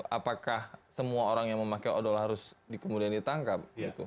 apakah semua orang yang memakai odol harus kemudian ditangkap